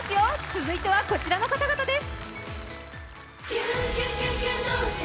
続いてはこちらの方々です。